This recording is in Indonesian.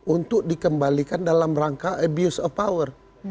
untuk dikembalikan dalam rangka abuse of power